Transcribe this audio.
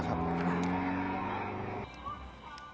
กลับไปยังไม่รู้ว่าวิทยาลัย